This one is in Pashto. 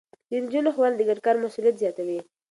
د نجونو ښوونه د ګډ کار مسووليت زياتوي.